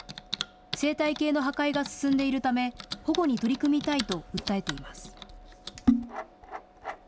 生態系の破壊が進んでいるため保護に取り組みたいと訴えています。